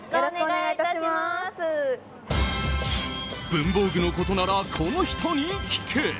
文房具のことならこの人に聞け！